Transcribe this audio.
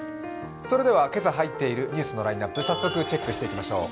それでは、今朝入っているニュースのラインナップ、早速チェックしていきましょう。